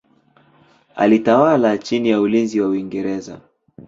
Alitawala chini ya ulinzi wa Uingereza.